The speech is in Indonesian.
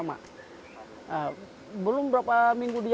mereka tambah cewek awal day fitra iniounced the